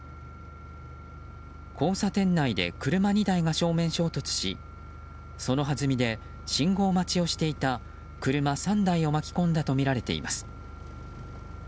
交差点内で車２台が正面衝突しそのはずみで信号待ちをしていた車３台を巻き込んだとみられています。